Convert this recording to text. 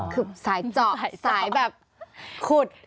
คือสายเจาะสายแบบขุด